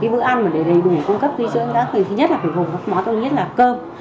bữa ăn để đầy đủ cung cấp khí chữa ứng đáng thì nhất là phải gồm các món đơn giản là cơm